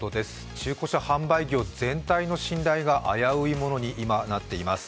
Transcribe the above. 中古車販売業全体の信頼が危ういものに今なっています。